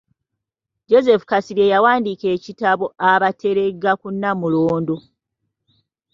Joseph Kasirye yawandiika ekitabo “Abateregga ku Nnamulondo".